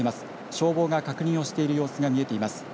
消防が確認をしている様子が見えています。